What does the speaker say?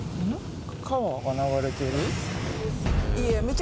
川が流れてる？